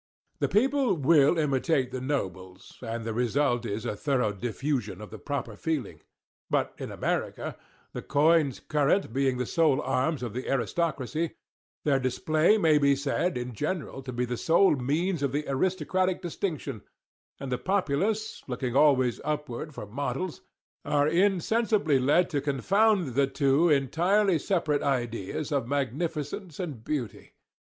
The people _will _imitate the nobles, and the result is a thorough diffusion of the proper feeling. But in America, the coins current being the sole arms of the aristocracy, their display may be said, in general, to be the sole means of the aristocratic distinction; and the populace, looking always upward for models, are insensibly led to confound the two entirely separate ideas of magnificence and beauty.